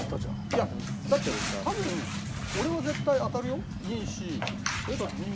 いやだって多分俺は絶対当たるよ。